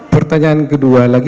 pertanyaan kedua lagi